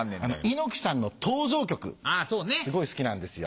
猪木さんの登場曲すごい好きなんですよ。